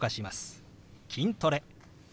「筋トレ」。